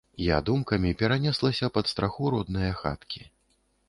Я думкамі перанеслася пад страху роднае хаткі.